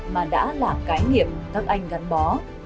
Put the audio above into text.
mà đã là cái nghiệp các anh gắn bó